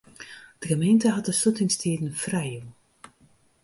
De gemeente hat de slutingstiden frijjûn.